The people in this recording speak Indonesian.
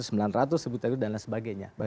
dari empat ribu sembilan ratus sebut aja dana sebagainya